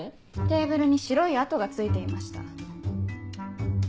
テーブルに白い跡がついていました。